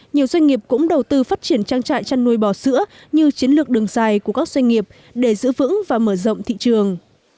nhiều doanh nghiệp cũng đầu tư phát triển trang trại chăn nuôi bò sữa như chiến lược đường dài của các doanh nghiệp để giữ vững và mở rộng thị trường